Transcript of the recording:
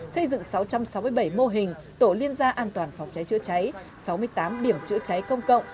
xây dựng sáu trăm sáu mươi bảy mô hình tổ liên gia an toàn phòng cháy chữa cháy sáu mươi tám điểm chữa cháy công cộng